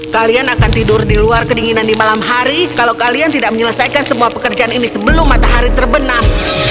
kalian akan tidur di luar kedinginan di malam hari kalau kalian tidak menyelesaikan semua pekerjaan ini sebelum matahari terbenam